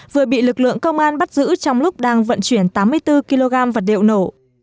vừa bị lực lượng công an bắt giữ trong lúc đang vận chuyển tám mươi bốn kg vật liệu nổ